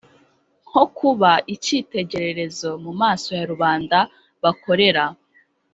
nko kuba icyitegererezo mu maso ya rubanda bakorera